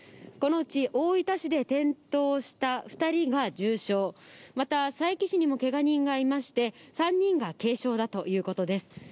このうち大分市で転倒した２人が重傷、また、佐伯市にもけが人がいまして、３人が軽傷だということです。